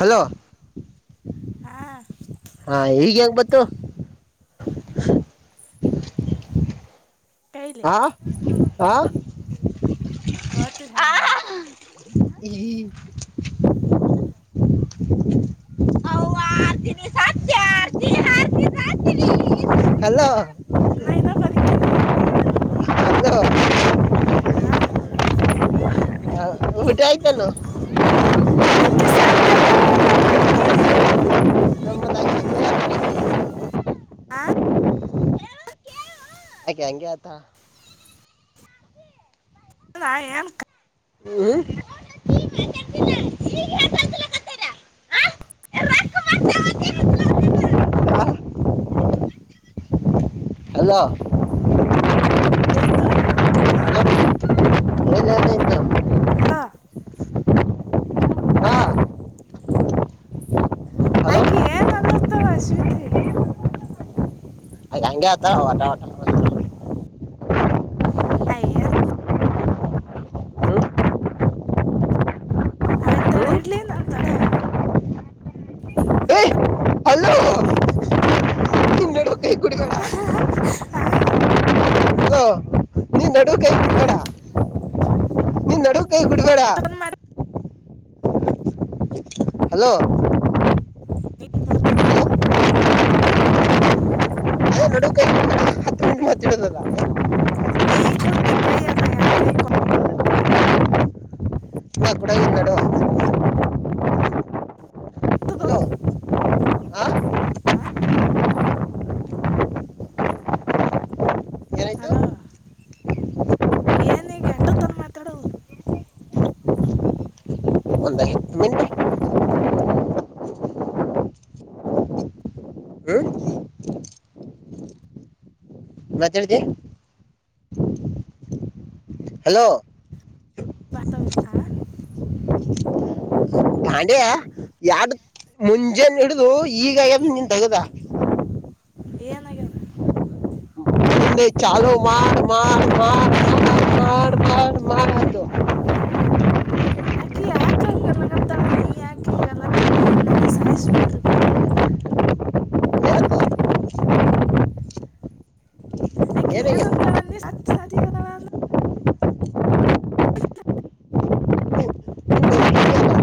Hello ಹಾ ಹಾ ಈಗ ಹೆಂಗ ಬತ್ತು ಕೈಲೆ ಹಾ ಹ ಗೊತ್ತಲ್ಲಮ್ಮದು ಈ [unintelligible] ಅವ್ವ ಆರ್ತೀನಿ ಸತ್ಯ ಆರ್ತನಿ ಆತಿ ಹಲೋ ನಾ ಇನ್ ಬದಕಿನೀ ಅದು ಹ ಹಾ ಊಟ ಆಯ್ತಾನು ಆಯ್ಕೆ ಸಾತ್ಯ ಅತಳ ನ ಬದುಕಿನಿ ನಮ್ಮದು ಆಯ್ತು. ಆ ಆ ಕ ಗತ ಹದಾ ಏನ್ ಹ್ಮ [unintelligible] ಅಳ್ಕೊಳಕತ್ತೀರ? ಹಲೋ ಯತ್ತು ಹಾ ಏನ ನಿಂದು ಹಲೋ ಹಾ ಹಲೋ ಆಯ್ಕಿ ಏನ್ಲ್ತ್ತವಶವೀತಿ ಅಕಿ ಹಂಗೆ ಅಂತಲಾ ವಟ್ ವಟ್ ಅಯ್ಯ ಹ್ಮ್ ಆಯ್ತಾಳ ಹ್ಮ್ ಇಡ್ಲಿ ಏನ್ ಅಂದಡವ ಏ ಹಲೋ ಕೊಡ್ತಾ. ನೀನ್ ನಡು ಕೈ ಕುಡಿ ಬೇಡಾ ಆ ಹಲೋ ನಿ ನಡುವ ಕೈ ಏನು? ಬಿಡಬೇಡ [inaudible] ನಡುವ ಕೈ ಬಿಡಬೇಡಾ ನಾಟಕನ್ ಮಾಡಿ ಹಲೋ ನೀ ಕುಡ್ತೀವಿ ನಡುುವ ಅದು ಕೊಟ್ಟಿಲ್ತಯ ಹ ನೋಡ ಹ ಮತ್ತಡಲ್ಲ ನೀ ಕುಡ್ತಿ ಕೈ ಅನ್ನ ಯಂದ ಕೈ ಕೊ ಹ ಕೂಡಡು ಹಲೋ ಮಾತದೊನ್ ಆ ಆ ಏನಾಯ್ತು ಹಲೋ ಏನೀಗ ಎಟ್ಟ ತನ ಮಾತಾಡುವ ಒಂದ್ ಹತ್ತು ಮಿನಿಟ್ ಹ್ಮ್ ಮಾತಡಿದೆ ಹಲೋ ಬತ ಆ ದಾಂಡ್ಯಾ ಯಾಡ ಮುಂಜಾನ ಹಿಡ್ದು ಈಗ ಆಗ್ಯದ ನೀನ್ ತಗದ ಏನಗದ ನಿನ್ನೆ ಚಾಲೋ ಮಾಡ್ ಮಾಡ್ ಮಾಡ್ ಮಾಡ ಮಾಡಾರ್ ಮಾಡಾ ಮಾಡ ಆತು ಅಕಿ ಯಾಕ ಹಂಗಲ್ಲ ಗತ್ತಳ ನೀ ಯಾಕ್ ಹಿಂಗಲ್ಲತ್ತ ನಾನು ಸಾಯಿಸಬಿಡ್ರಿ ಇಬ್ಬರು ಆಕಿ ಏನಾಯ್ತು ಏನಂತಳ ಅಂದಿ ಸತ್ತ ಸದಿ ಅದಾಳ ಏನಾಗ್ಯದ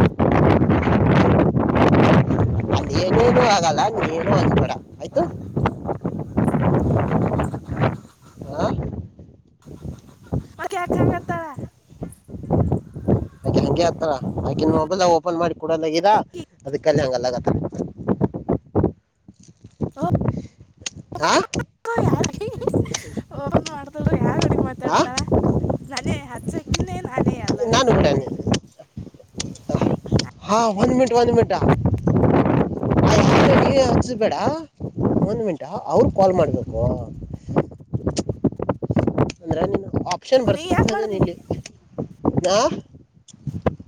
ಹ ಆಗಲ್ಲ ನೀವು ಏನು ಅನಬೇಡ ಆಯ್ತು ಹಾ ಅದ ಯಾಕ್ ಹಂಗಾತಾಳ ಹಂಗೆ ಆತ್ತಳ ಅಕಿನ ನಿಮ್ ಮೊಬೈಲ್ ಓಪನ್ ಮಾಡಿ ಕೊಡಲಗಿದ ಅದ ಕಲ್ಲಿ ಹಂಗಲ್ಲಗತ್ತ ಹಾ ಯಾರೀ ಓಬನ್ ಮಾಡತಲ್ ಯಾರ್ ಹುಡುಗ್ ಹಾ ಮಾತಾಡ್ತಳ ನಾನೇ ಹತ್ಸಕ್ಕಿನೇ ನಾನೇ ಎಲ್ಲರಿಗ ನಾನು ಬಿಡ ನೀನು. ಹಾ ವನ್ ಮಿನಿಟ್ ವನ್ ಮಿನಿಟಾ ಹಸಬೇಡ ಒಂದು ಮಂಟಾ ಅವರು ಕಾಲ್ ಮಾಡಬೇಕು ಅಂದ್ರೆ ನೀನು ಆಪ್ಷನ್ ನೀ ಯಾಕೆ ಬರ್ತದೆ ಮಾಡ್ದಿ ನಿಗೆ ಹ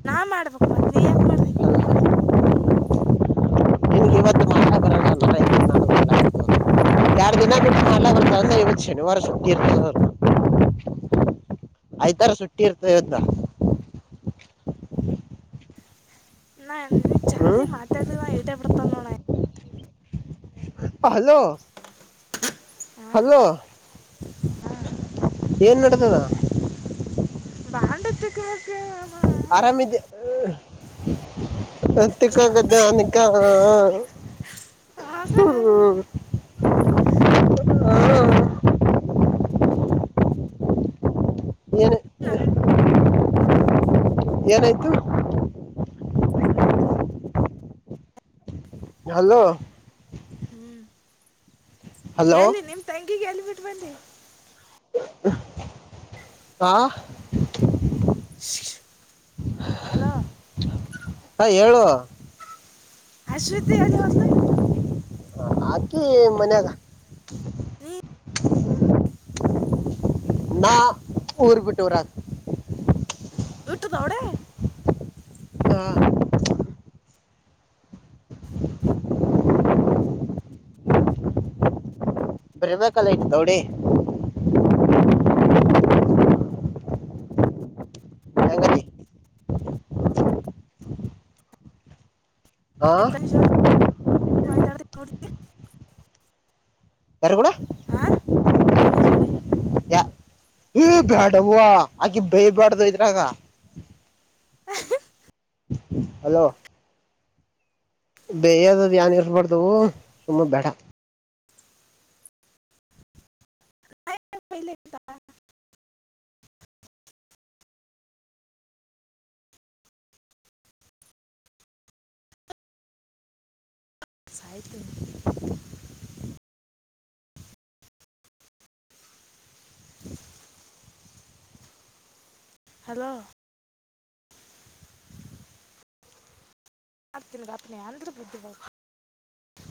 ನಾ ಮಾಡ್ಬೇಕಕ್ು ಮತ್ತ್ ನೀ ಯಾಕೆ ಮಾಡ್ರಿ ನಿನಗೆ ಇವತ್ತು ಮಾಡ್ಲಾ ಬರಲ್ಲ ಯಾರ್ ದಿನ ಬಿಟ್ಟಲ್ಲ ಬರ್ತ ಅ ಇತ್ತು ಶನಿವಾರ ಸುಟ್ಟಿ ಇರ್ತ ಯ್ತರ ಸುಟ್ಟಿ ಇರ್ತ ಇವತ್ತ ನಾ ನೀವ್ ಹ್ಞೂ ಚಾಂದ ಮಾತಾಡ್ಲಿ ಏಟೇ ಬಿಡ್ತ ನೋಣ ಹಲೋ ಹಲೋ ಏನ್ ನಡ ಹ ಬಾಂಡತ್ತಕ್ಕ ಆರಾಮಿದೆ ತಿಕ್ಕಾಗ್ದ ಅನಿಕ ಹ ಏನು ಹ ಏನಾಯ್ತು ಹಲೋ ಹ್ಮ್ ಹಲೋ ಎಲ್ಲಿ ನಿಮ್ ತಂಗಿಗೆ ಎಲ್ಲಿ ಬಿಟ್ ಬನ್ನಿ ಹಾ [unintelligible] ಹಲೋ ಹ ಏುವ ಅಶ್ವತಿ ಅಲ್ಲ ಹೊದಲು ಹಾಕಿ ಮನ್ಯಾಗ ನೀ ನಾ ಊರ್ ಪಿಟರ ವಿಟ್ಟದಾವಡ ಹ್ಮ ಬ್ರಮ ಕಲಟ ತೌಡೆ ಹ ಹಾ ಮಾತಾಡಡ್ ಯಾರು ಕೂಡ ಆಾ ತನ್ನಿ ಜೋಡಿ ಯಾ ಏ ಬ್ಯಾಡ ಆಕೆ ಬಯಿ ಬ್ಯಾಡದಯ್ರಗ ಹ ಹಲೋ ಬೇಯದ್ದ ಏನ್ ಇರ್ಸ್ಬಾರ್ದವು ಸುಮ್ಮ ಬೇಡ ಪೈಲ ಸಹಿತ [inaudible] ಹಲೋ ಏ ಮಾಡ್ತೀನಿ ರಾಪ್ಪನ ಅಂದ್ರೂ ಬುದ್ಧಿ ಬಾಗ್ತ